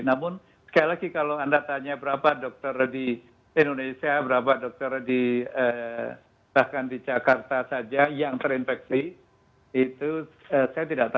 namun sekali lagi kalau anda tanya berapa dokter di indonesia berapa dokter bahkan di jakarta saja yang terinfeksi itu saya tidak tahu